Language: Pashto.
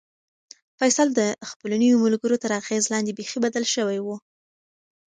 فیصل د خپلو نویو ملګرو تر اغېز لاندې بیخي بدل شوی و.